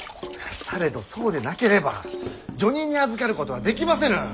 されどそうでなければ叙任にあずかることはできませぬ！